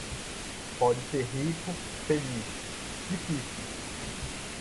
Pode ser rico, feliz - difícil.